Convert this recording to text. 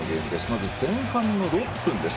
まず前半の６分です。